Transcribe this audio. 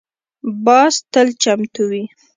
باز تل چمتو وي